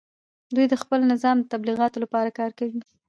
دوی د خپل نظام د تبلیغاتو لپاره کار کوي